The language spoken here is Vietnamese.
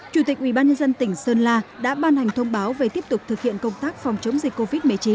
chủ tịch ubnd tỉnh sơn la đã ban hành thông báo về tiếp tục thực hiện công tác phòng chống dịch covid một mươi chín